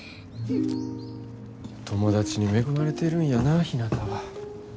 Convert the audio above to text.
友達に恵まれてるんやなひなたは。